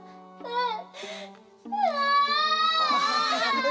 うん！